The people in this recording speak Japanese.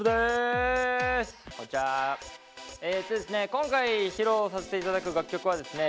今回披露させて頂く楽曲はですね